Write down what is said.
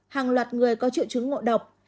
hàng loạt người có triệu chứng ngộ độc